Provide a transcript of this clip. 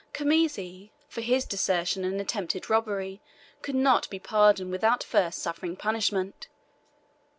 Khamisi, for his desertion and attempted robbery, could not be pardoned without first suffering punishment.